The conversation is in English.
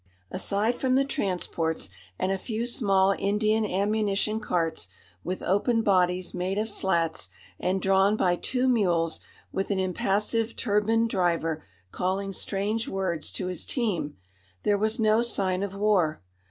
Aside from the transports and a few small Indian ammunition carts, with open bodies made of slats, and drawn by two mules, with an impassive turbaned driver calling strange words to his team, there was no sign of war.